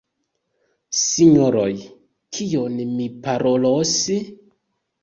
Sinjoroj; kion mi parolos?